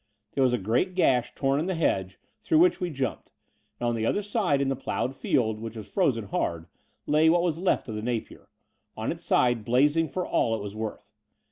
There was a great gash torn in the hedge, through which we jtimped: and on the other side in the ploughed fidd, which was frozen hard, lay what was left of the Napier — on its side blazing for all it was worth.